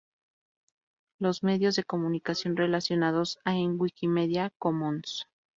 Los medios de comunicación relacionaron a en Wikimedia Commons